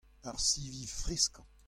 Ar sivi freskañ.